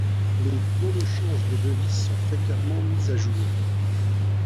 Les taux de change des devises sont fréquemment mis à jour.